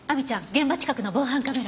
現場近くの防犯カメラは？